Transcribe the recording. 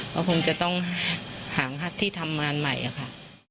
ก็คงจะต้องหาที่ทำงานใหม่ค่ะ